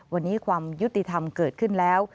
วันนี้ความยุติธรรมเกิดขึ้นแล้ว